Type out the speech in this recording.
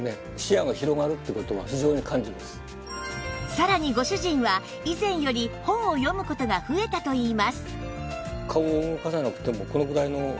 さらにご主人は以前より本を読む事が増えたといいます